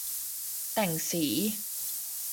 แต่งสี